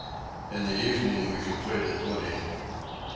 In the evening we completed wooding.